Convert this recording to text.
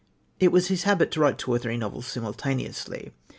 It was his habit to write two or three novels simultaneously.